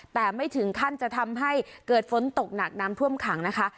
แต่ไม่ถึงขั้นจะทำให้เกิดฝนตกหนักน้ำท่วมขังนะคะ